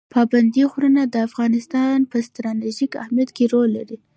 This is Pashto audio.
پابندی غرونه د افغانستان په ستراتیژیک اهمیت کې رول لري.